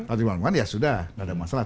kalau dimakmukan ya sudah tidak ada masalah